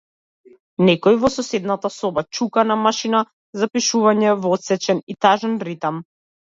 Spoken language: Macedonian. Некој во соседната соба чука на машина за пишување во отсечен и тажен ритам.